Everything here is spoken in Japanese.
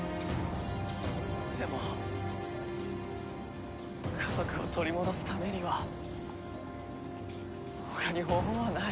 でも家族を取り戻すためには他に方法はない。